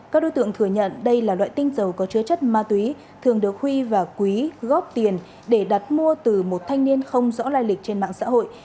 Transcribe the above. các đối tượng thừa nhận đây là loại tinh dầu có chứa chất ma túy thường được huy và quý góp tiền để đặt mua từ một thanh niên không rõ lai lịch trên mạng xã hội